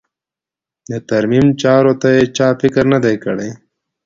د ترمیم چارو ته یې چا فکر نه دی کړی.